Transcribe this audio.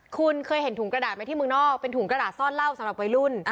คุณเคยเห็นถุงกระดาษไหมที่เมืองนอกเป็นถุงกระดาษซ่อนเหล้าสำหรับวัยรุ่น